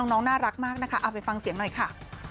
น้องน่ารักมากนะคะเอาไปฟังเสียงหน่อยค่ะ